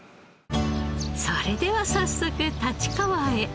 それでは早速立川へ。